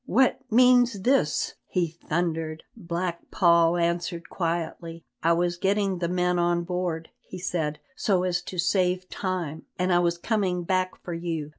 "What means this?" he thundered. Black Paul answered quietly: "I was getting the men on board," he said, "so as to save time, and I was coming back for you."